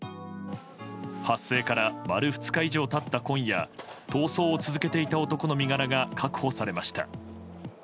発生から丸２日以上経った今逃走を続けていた男の身柄が確保されました。